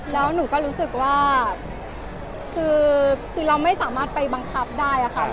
แล้วหนูก็รู้สึกว่าคือเราไม่สามารถไปบังคับได้ค่ะ